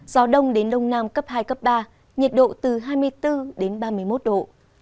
gió đông đến đông nam cấp hai cấp ba nhiệt độ từ hai mươi bốn đến ba mươi một độ